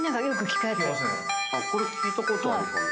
これ聞いたことあるかも。